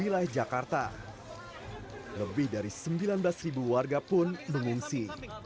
di wilayah jakarta lebih dari sembilan belas warga pun mengungsi